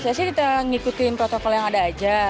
saya sih kita ngikutin protokol yang ada aja